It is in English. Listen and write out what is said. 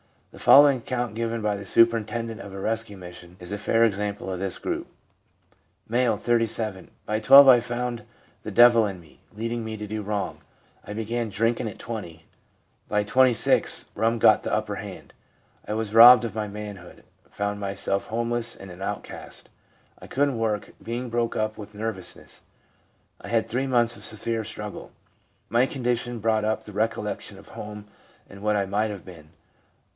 The following account given by the superintendent of a rescue mission is a fair example of this group. M., 37. 'By 12 I found the devil in me, leading me to do wrong. I began drinking at 20. By 26 rum got the upper hand. I was robbed of my manhood, found myself homeless and an outcast. I couldn't work, being broken up with nervousness. I had three months of severe struggle. My condition brought up the recollection of home, and what I might have been.